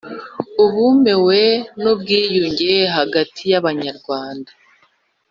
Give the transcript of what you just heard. Ubumewe n ubwiyunge hagati y Abanyarwanda